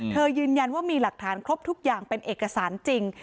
ยืนยันว่ามีหลักฐานครบทุกอย่างเป็นเอกสารจริง